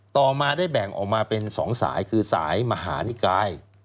ต่อมาได้แบ่งออกมาเป็น๒สายคือสายมหานิกาย